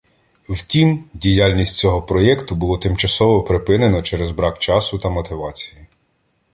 Втім, діяльність цього проєкту було тимчасово припинено через брак часу та мотивації.